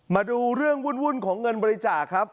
มาดูเรื่องวุ่นของเงินบริจาคครับ